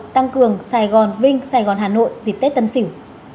đường sài gòn vinh sài gòn hà nội dịch tết tân sỉu